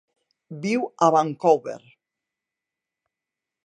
Viu a Vancouver.